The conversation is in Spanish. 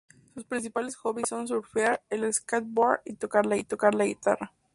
Sus principales hobbies son surfear, el skateboard y tocar la guitarra.